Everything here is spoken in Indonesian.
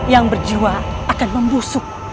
yang berjiwa akan membusuk